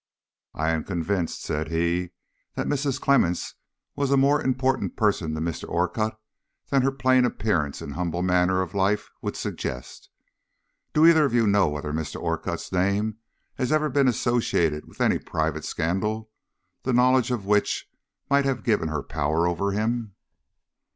"I am convinced," said he, "that Mrs. Clemmens was a more important person to Mr. Orcutt than her plain appearance and humble manner of life would suggest. Do either of you know whether Mr. Orcutt's name has ever been associated with any private scandal, the knowledge of which might have given her power over him?"